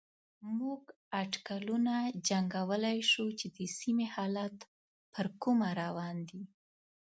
موږ اټکلونه جنګولای شو چې د سيمې حالات پر کومه روان دي.